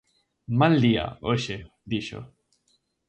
-Mal día, hoxe -dixo.